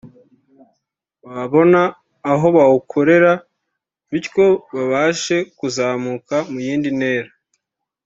babona aho bawukorera bityo babashe kuzamuka mu yindi ntera